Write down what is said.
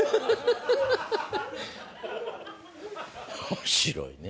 面白いね。